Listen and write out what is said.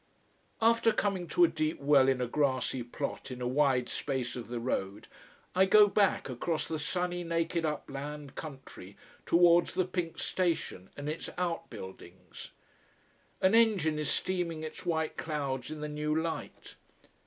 After coming to a deep well in a grassy plot in a wide space of the road, I go back, across the sunny naked upland country, towards the pink station and its out buildings. An engine is steaming its white clouds in the new light.